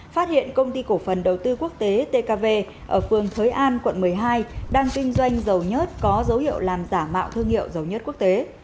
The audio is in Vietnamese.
phát hiện công ty cổ phần đầu tư quốc tế tkv ở phường thới an quận một mươi hai đang kinh doanh dầu nhớt có dấu hiệu làm giả mạo thương hiệu dầu nhất quốc tế